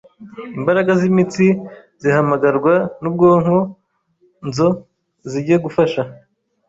imbaraga z’imitsi zihamagarwa n’ubwonko nzo zijye gufasha